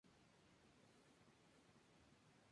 Lo que no es conocido es la extensión de su uso.